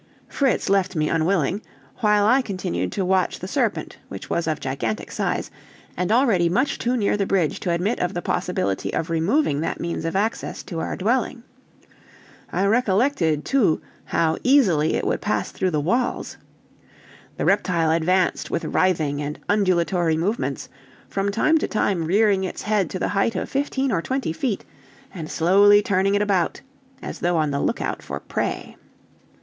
Fritz left me unwilling, while I continued to watch the serpent, which was of gigantic size, and already much too near the bridge to admit of the possibility of removing that means of access to our dwelling. I recollected, too, how easily it would pass through the walls. The reptile advanced with writhing and undulatory movements, from time to time rearing its head to the height of fifteen or twenty feet, and slowly turning it about, as though on the lookout for prey.